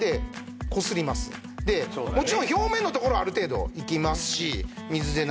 もちろん表面の所はある程度いきますし。